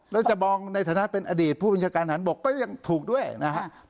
แล้วจะมองในฐานะเป็นอดีตผู้บัญชาการฐานบกก็ยังถูกด้วยนะครับ